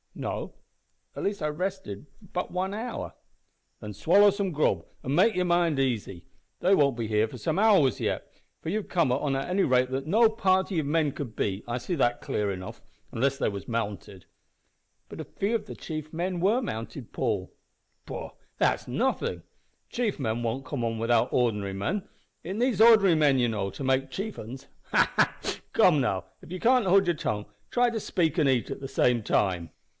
"No. At least I rested but one hour." "Then swallow some grub an' make your mind easy. They won't be here for some hours yet, for you've come on at a rate that no party of men could beat, I see that clear enough unless they was mounted." "But a few of the chief men were mounted, Paul." "Pooh! that's nothing. Chief men won't come on without the or'nary men. It needs or'nary men, you know, to make chief 'uns. Ha! ha! Come, now, if you can't hold your tongue, try to speak and eat at the same time."